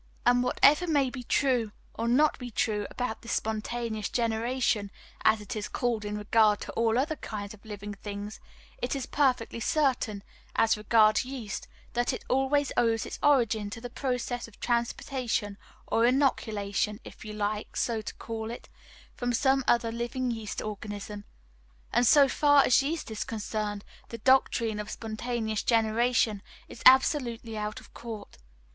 And, whatever may be true or not be true about this "spontaneous generation," as it is called in regard to all other kinds of living things, it is perfectly certain, as regards yeast, that it always owes its origin to this process of transportation or inoculation, if you like so to call it, from some other living yeast organism; and so far as yeast is concerned, the doctrine of spontaneous generation is absolutely out of court.